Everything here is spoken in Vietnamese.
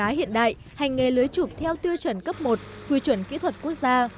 tàu cá hiện đại hành nghề lưới trục theo tiêu chuẩn cấp một quy chuẩn kỹ thuật quốc gia